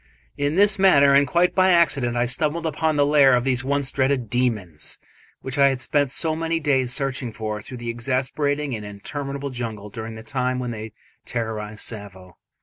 In this manner, and quite by accident, I stumbled upon the lair of these once dreaded "demons", which I had spent so many days searching for through the exasperating and interminable jungle during the time when they terrorised Tsavo.